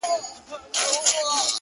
اوس په ځان پوهېږم چي مين يمه!!